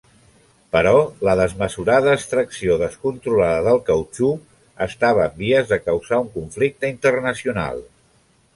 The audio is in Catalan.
Però la desmesurada extracció descontrolada del cautxú estava en vies de causar un conflicte internacional.